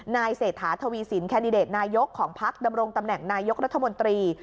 เศรษฐาทวีสินแคนดิเดตนายกของพักดำรงตำแหน่งนายกรัฐมนตรี